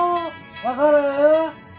分かる？